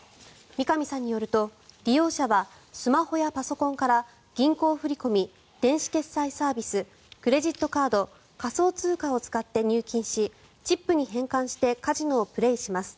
三上さんによると利用者はスマホやパソコンから銀行振り込み、電子決済サービスクレジットカード仮想通貨を使って入金しチップに変換してカジノをプレーします。